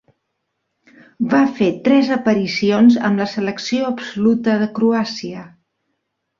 Va fer tres aparicions amb la selecció absoluta de Croàcia.